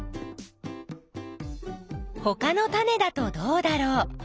ほかのタネだとどうだろう？